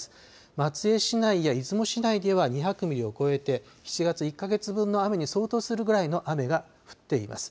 松江市内や出雲市内では２００ミリを超えて７月１か月分の雨に相当するぐらいの雨が降っています。